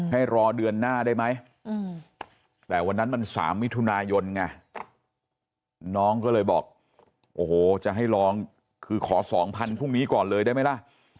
ให้รอเดือนหน้าได้ไหมแต่วันนั้นมัน๓มิถุนายนไงน้องก็เลยบอกโอ้โหจะให้ลองคือขอ๒๐๐พรุ่งนี้ก่อนเลยได้ไหมล่ะ